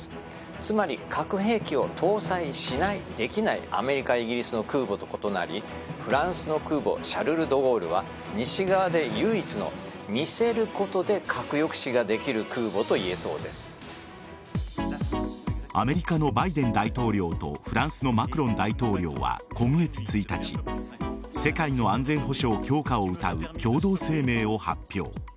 つまり核兵器を搭載しない、できないアメリカ、イギリスの空母と異なりフランスの空母「シャルル・ド・ゴール」は西側で唯一の見せることで核抑止ができるアメリカのバイデン大統領とフランスのマクロン大統領は今月１日世界の安全保障強化をうたう共同声明を発表。